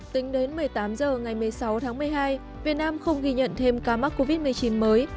tính đến một mươi tám h ngày một mươi sáu tháng một mươi hai việt nam không ghi nhận thêm ca mắc covid một mươi chín mới